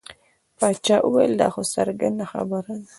باچا وویل دا خو څرګنده خبره ده.